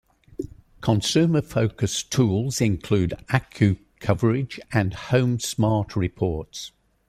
Consumer-focused tools include AccuCoverage and Home Smart Reports.